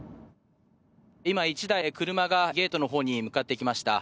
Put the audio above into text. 今１台、車がゲートのほうに向かっていきました。